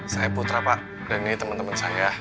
saya putra pak dan ini temen temen saya